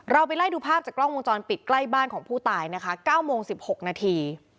ไปไล่ดูภาพจากกล้องวงจรปิดใกล้บ้านของผู้ตายนะคะ๙โมง๑๖นาที